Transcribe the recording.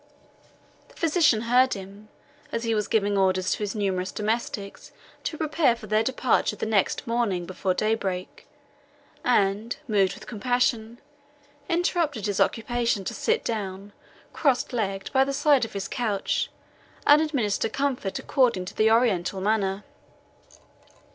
The physician heard him, as he was giving orders to his numerous domestics to prepare for their departure the next morning before daybreak, and, moved with compassion, interrupted his occupation to sit down, cross legged, by the side of his couch, and administer comfort according to the Oriental manner.